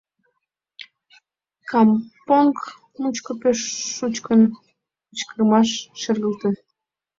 — кампонг мучко пеш шучкын кычкырымаш шергылте.